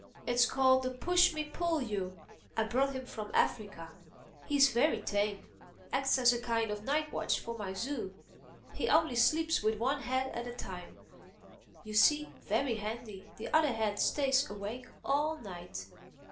It's called the 'pushmi pullyu.' I brought him from Africa. He's very tame—acts as a kind of night watchman for my zoo. He only sleeps with one head at a time, you see—very handy—the other head stays awake all night."